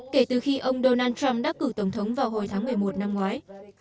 kể từ khi ông donald trump đắc cử tổng thống vào hồi tháng một mươi một năm ngoái